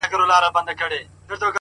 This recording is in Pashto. زړه یوسې او پټ یې په دسمال کي کړې بدل ـ